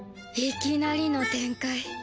いきなりの展開。